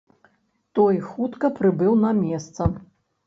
Той хутка прыбыў на месца.